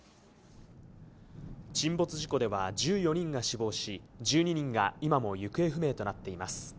沈没事故では１４人が死亡し、１２人が今も行方不明となっています。